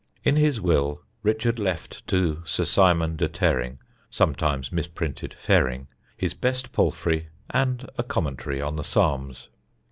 In his will Richard left to Sir Simon de Terring (sometimes misprinted Ferring) his best palfrey and a commentary on the Psalms.